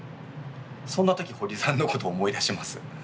そんな時ホリさんのこと思い出します。